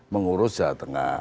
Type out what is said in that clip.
mengurus jawa tengah